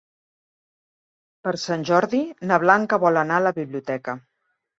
Per Sant Jordi na Blanca vol anar a la biblioteca.